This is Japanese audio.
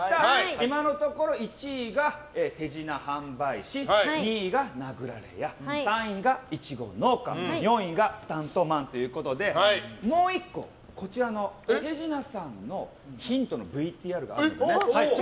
今のところ１位が手品販売師２位が殴られ屋３位がイチゴ農家４位がスタントマンということでもう１個、こちらの手品さんのヒントのＶＴＲがあるので。